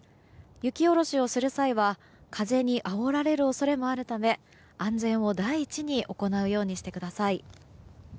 雪下ろしをする際は風にあおられる恐れもあるため安全を第一に行うようにしてください。